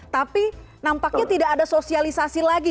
tapi nampaknya tidak ada sosialisasi lagi